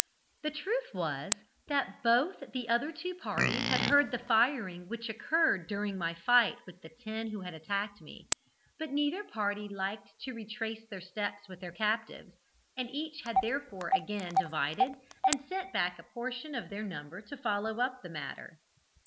"The truth was, that both the other two parties had heard the firing which occurred during my fight with the ten who had attacked me, but neither party liked to retrace their steps with their captives, and each had therefore again divided, and sent back a portion of their number to follow up the matter.